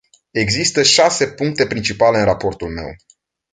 Există șase puncte principale în raportul meu.